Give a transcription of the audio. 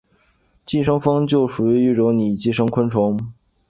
寄生蜂就属于一种拟寄生昆虫。